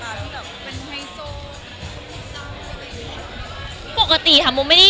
มันคิดว่าจะเป็นรายการหรือไม่มี